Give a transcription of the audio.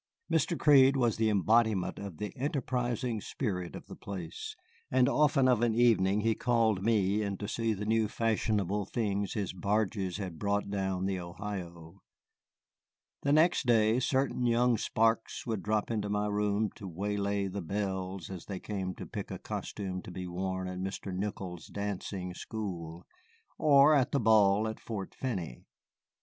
Mr. Crede was the embodiment of the enterprising spirit of the place, and often of an evening he called me in to see the new fashionable things his barges had brought down the Ohio. The next day certain young sparks would drop into my room to waylay the belles as they came to pick a costume to be worn at Mr. Nickle's dancing school, or at the ball at Fort Finney.